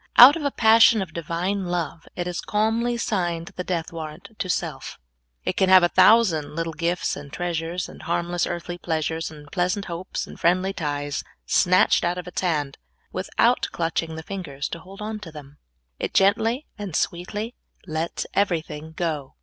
Out of a pas.sion of Divine love, it has calmly signed the death warrant of self. It can have a thousand little gifts and treasures, and harmless earthly pleasures, and pleasant hopes, and friendly ties snatched out of its hand, without clutching the fingers to hold on to them. It gently and sweetly lets everything go.